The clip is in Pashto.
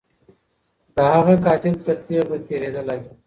د هغه قاتل تر تیغ به تیریدلای